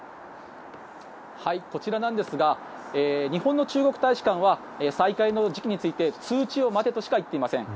こちらなんですが日本の中国大使館は再開の時期について通知を待てとしか言っていません。